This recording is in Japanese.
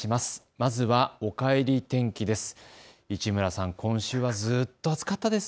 まずは、おかえり天気です。